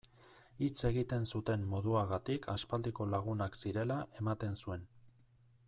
Hitz egiten zuten moduagatik aspaldiko lagunak zirela ematen zuen.